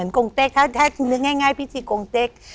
กรงเต็กถ้านึกง่ายพี่จี๊กรงเต็ก